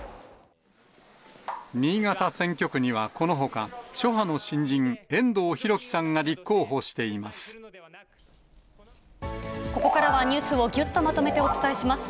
新潟選挙区にはこのほか諸派の新人、ここからはニュースをぎゅっとまとめてお伝えします。